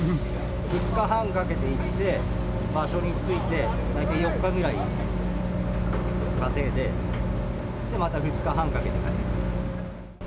２日半かけて行って、場所に着いて大体４日ぐらい稼いで、また２日半かけて帰ってくる。